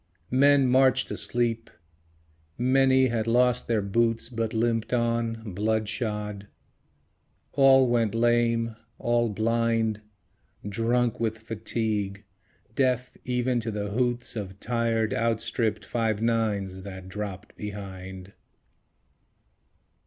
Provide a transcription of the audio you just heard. Men marched asleep. Many had lost their boots But limped on, blood shod. All went lame; all blind; Drunk with fatigue; deaf even to the hoots Of tired, outstripped Five Nines that dropped behind.